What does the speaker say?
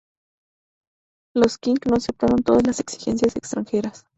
Los Qing no aceptaron todas las exigencias extranjeras.